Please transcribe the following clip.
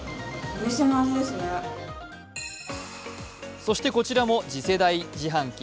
そして、こちらも次世代自販機。